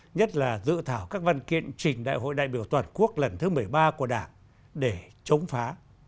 nhất là dự thảo các văn kiện trình đại hội đại biểu toàn quốc lần thứ một mươi ba của đảng để chống phá